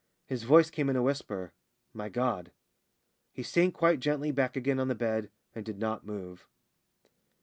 His voice came in a whisper, "My God!" He sank quite gently back again on the bed, and did not move.